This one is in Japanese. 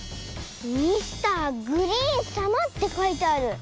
「ミスターグリーンさま」ってかいてある！